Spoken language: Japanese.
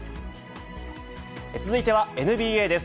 続いてはＮＢＡです。